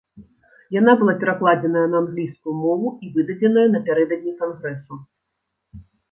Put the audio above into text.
Яна была перакладзеная на англійскую мову і выдадзеная напярэдадні кангрэсу.